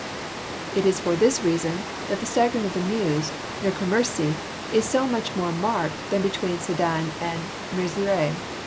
It is for this reason that the staggering of the Meuse near Commercy is so much more marked than between Sedan and Mezieres.